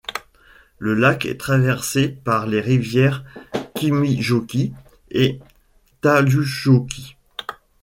Le lac est traversé par les rivières Kymijoki et Tallusjoki.